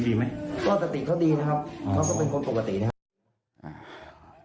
ก็สติเขาดีนะครับเขาก็เป็นคนปกตินะครับ